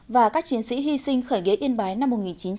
và các chiến sĩ hy sinh khởi nghĩa yên bái năm một nghìn chín trăm bảy mươi